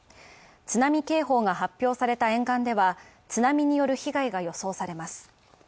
津波警報が発表された沿岸では、津波による被害が予想されます。